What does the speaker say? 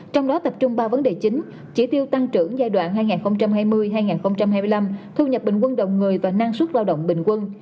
trong đó tập trung ba vấn đề chính chỉ tiêu tăng trưởng giai đoạn hai nghìn hai mươi hai nghìn hai mươi năm thu nhập bình quân đầu người và năng suất lao động bình quân